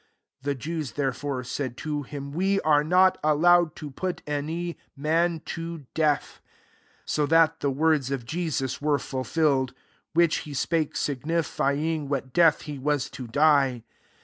The Jews, therefore, said to him, " We are not allowed to put any man to death." t 32 (So that the words of Jesus were fulfilled, which he spake, signifying what death he was to die.)